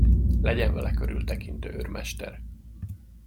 Legyen vele körültekintő, őrmester.